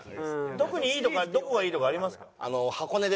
特にいいとこはどこがいいとかありますか？